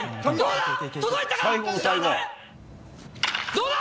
どうだ？